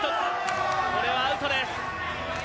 これはアウトです。